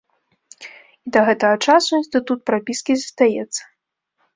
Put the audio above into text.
І да гэтага часу інстытут прапіскі застаецца.